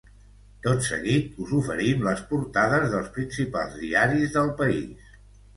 Tot seguit, us oferim les portades dels principals diaris del país.